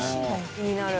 気になる。